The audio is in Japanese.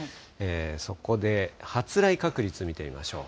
そこで発雷確率見てみましょう。